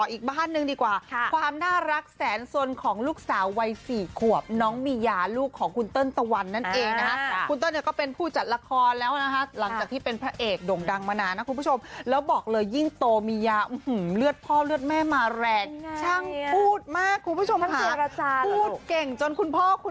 อีกบ้านหนึ่งดีกว่าความน่ารักแสนสนของลูกสาววัย๔ขวบน้องมียาลูกของคุณเติ้ลตะวันนั่นเองนะคะคุณเติ้ลเนี่ยก็เป็นผู้จัดละครแล้วนะคะหลังจากที่เป็นพระเอกโด่งดังมานานนะคุณผู้ชมแล้วบอกเลยยิ่งโตมียาเลือดพ่อเลือดแม่มาแรงช่างพูดมากคุณผู้ชมค่ะพูดเก่งจนคุณพ่อคุณ